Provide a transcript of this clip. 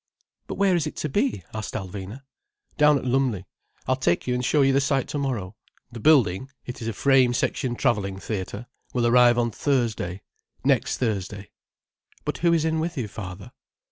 "But where is it to be?" asked Alvina. "Down at Lumley. I'll take you and show you the site tomorrow. The building—it is a frame section travelling theatre—will arrive on Thursday—next Thursday." "But who is in with you, father?"